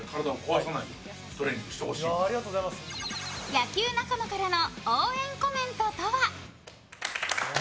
野球仲間からの応援コメントとは？